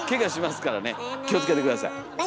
気をつけて下さい。